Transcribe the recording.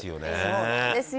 「そうなんですよ！」